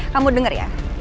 kamu denger ya